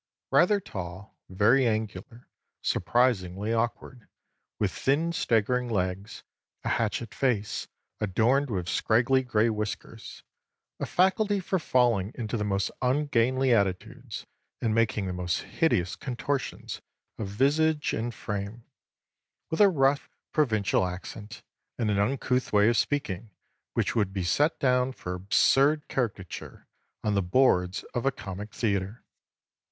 Rather tall, very angular, surprisingly awkward, with thin staggering legs, a hatchet face adorned with scraggy gray whiskers, a faculty for falling into the most ungainly attitudes, and making the most hideous contortions of visage and frame; with a rough provincial accent and an uncouth way of speaking which would be set down for absurd caricature on the boards of a comic theatre.